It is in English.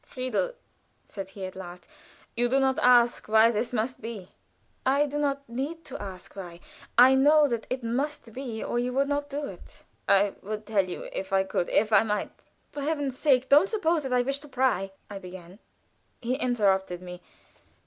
"Friedel," said he at last, "you do not ask why must this be." "I do not need to ask why. I know that it must be, or you would not do it." "I would tell you if I could if I might." "For Heaven's sake, don't suppose that I wish to pry " I began. He interrupted me.